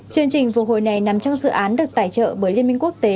chương trình phục hồi này nằm trong dự án được tài trợ bởi liên minh quốc tế